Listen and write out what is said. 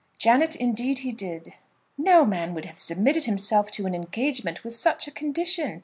"Janet, indeed he did." "No man would have submitted himself to an engagement with such a condition.